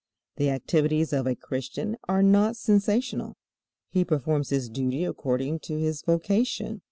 The activities of a Christian are not sensational. He performs his duty according to his vocation.